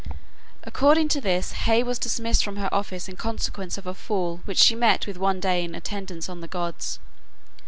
According to this, Hebe was dismissed from her office in consequence of a fall which she met with one day when in attendance on the gods.